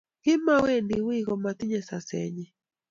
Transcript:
Kimawendi wiiy komatinyei sesenyi